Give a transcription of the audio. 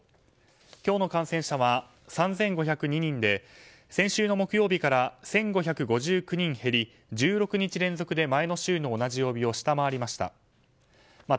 今日の感染者は３５０２人で先週の木曜日から１５９９人減り１６日連続で前の週の同じ曜日を下回りました。